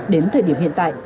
đến thời điểm hiện tại